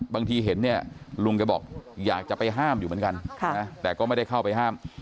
บางทีเห็นเนี่ยลุงแกบอกอยากจะไปห้ามอยู่เหมือนกันแต่ก็ไม่ได้เข้าไปห้าม